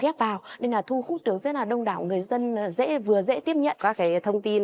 địa bàn cũng là thuần nông người dân thì đa số là nông dân